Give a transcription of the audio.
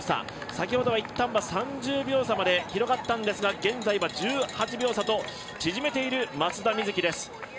先ほどは、一旦は３０秒差まで広がったんですが現在は１８秒差と縮めている松田瑞生です。